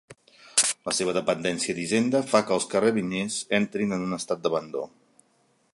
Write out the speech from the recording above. La seva dependència d'Hisenda fa que els carabiners entrin en un estat d'abandó.